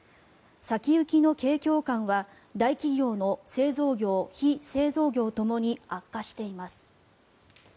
先行きの景況感は大企業の製造業・非製造業ともに悪化しています。